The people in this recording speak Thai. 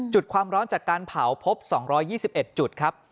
จุดความร้อนจากการเผาพบ๒๒๑จุดครับ